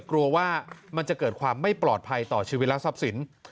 กลัวว่ามันจะเกิดความไม่ปลอดภัยต่อชีวิตรักษัพศิลป์